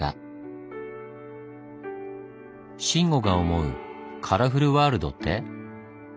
慎吾が思うカラフルワールドって？